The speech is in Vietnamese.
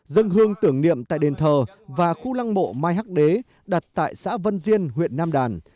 dân hương tưởng niệm tại đền thờ và khu lăng mộ mai hắc đế đặt tại xã vân diên huyện nam đàn